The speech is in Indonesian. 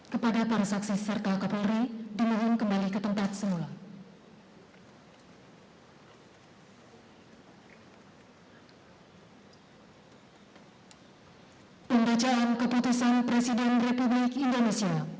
kepada komisaris jenderal polisi dr andos listio sigit pradu msi sebagai kepala kepolisian negara republik indonesia